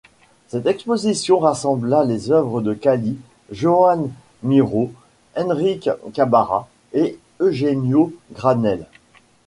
Cette exposition rassembla des œuvres de Dalí, Joan Miró, Enrique Tábara et Eugenio Granell.